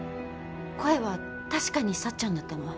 声はたしかに幸ちゃんだったの。